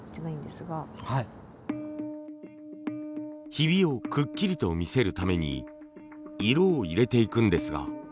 ヒビをくっきりと見せるために色を入れていくんですが。